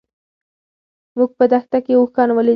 موږ په دښته کې اوښان ولیدل.